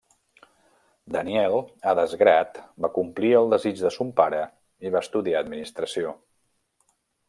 Daniel, a desgrat, va complir el desig de son pare, i va estudiar administració.